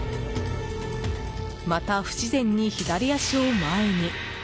また不自然に左足を前に。